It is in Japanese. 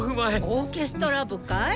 オーケストラ部かい？